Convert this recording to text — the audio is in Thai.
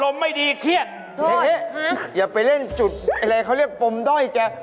เขากำลังหงุดหยิดน่ะน่ะ